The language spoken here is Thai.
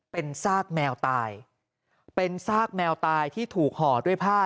เป็นซากแมวตายเป็นซากแมวตายที่ถูกห่อด้วยผ้า